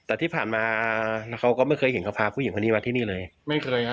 อ๋อแต่ที่ผ่านมาแล้วเขาก็ไม่เคยเห็นเขาพาผู้หญิงคนนี้มาที่นี่เลย